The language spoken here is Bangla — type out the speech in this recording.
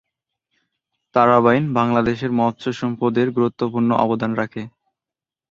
তারা বাইন বাংলাদেশের মৎস্য সম্পদে গুরুত্বপূর্ণ অবদান রাখে।